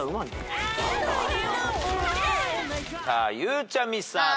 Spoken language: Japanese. さあゆうちゃみさん。